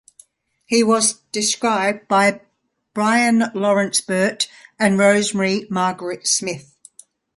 It was described by Brian Laurence Burtt and Rosemary Margaret Smith.